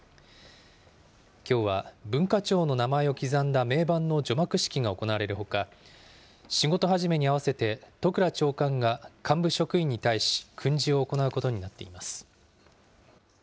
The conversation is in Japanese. きょうは、文化庁の名前を刻んだ銘板の除幕式が行われるほか、仕事始めに合わせて、都倉長官が幹部職員に対し、訓示を行うことになっています。